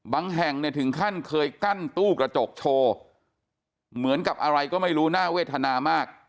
แห่งเนี่ยถึงขั้นเคยกั้นตู้กระจกโชว์เหมือนกับอะไรก็ไม่รู้น่าเวทนามาก